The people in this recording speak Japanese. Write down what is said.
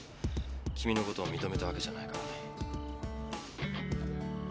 君のことを認めたわけじゃないからね。